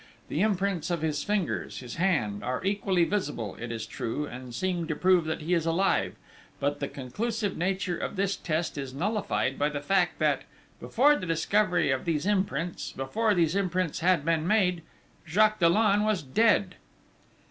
The imprints of his fingers, his hand, are equally visible, it is true, and seem to prove that he is alive. But the conclusive nature of this test is nullified by the fact that, before the discovery of these imprints, before these imprints had been made, Jacques Dollon was dead!"